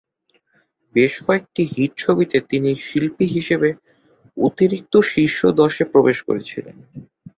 বেশ কয়েকটি হিট ছবিতে তিনি শিল্পী হিসাবে অতিরিক্ত শীর্ষ দশে প্রবেশ করেছিলেন।